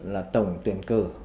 là tổng tuyển cử